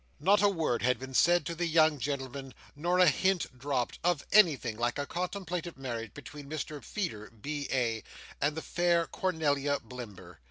Not a word had been said to the young gentlemen, nor a hint dropped, of anything like a contemplated marriage between Mr Feeder, B.A., and the fair Cornelia Blimber.